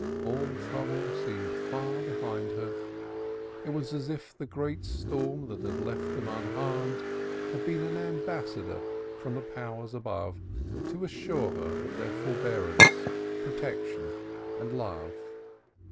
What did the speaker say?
All trouble seemed far behind her. It was as if the great storm that had left them unharmed had been an ambassador from the powers above to assure her of their forbearance, protection, and love.